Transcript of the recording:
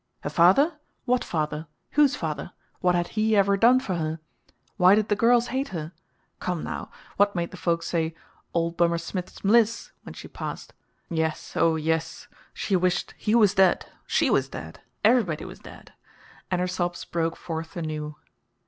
Her father? What father? Whose father? What had he ever done for her? Why did the girls hate her? Come now! what made the folks say, "Old Bummer Smith's Mliss!" when she passed? Yes; oh yes. She wished he was dead she was dead everybody was dead; and her sobs broke forth anew.